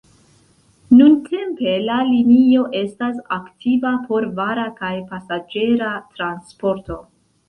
Nuntempe la linio estas aktiva por vara kaj pasaĝera transporto.